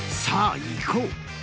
［さあいこう。